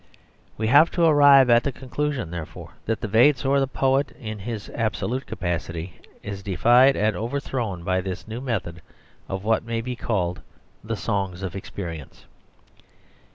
We have to arrive at the conclusion therefore, that the vates or poet in his absolute capacity is defied and overthrown by this new method of what may be called the songs of experience.